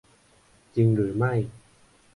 จริงหรือไม่ ?